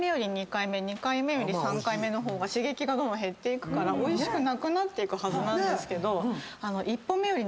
２回目２回目より３回目の方が刺激が減っていくからおいしくなくなってくはずなんですけど。